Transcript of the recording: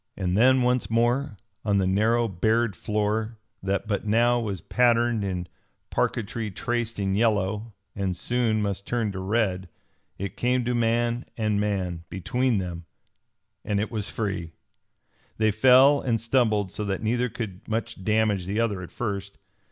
And then once more, on the narrow bared floor that but now was patterned in parquetry traced in yellow, and soon must turn to red, it came to man and man between them and it was free! They fell and stumbled so that neither could much damage the other at first.